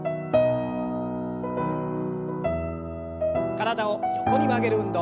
体を横に曲げる運動。